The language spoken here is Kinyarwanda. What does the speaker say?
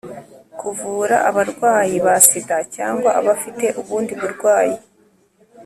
kuvura abarwayi ba sida cyangwa abafite ubundi burwayi.